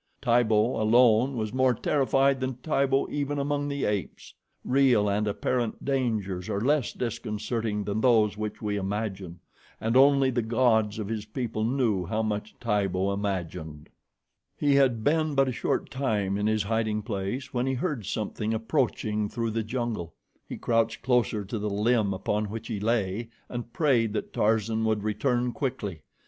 Tibo alone was more terrified than Tibo even among the apes. Real and apparent dangers are less disconcerting than those which we imagine, and only the gods of his people knew how much Tibo imagined. He had been but a short time in his hiding place when he heard something approaching through the jungle. He crouched closer to the limb upon which he lay and prayed that Tarzan would return quickly.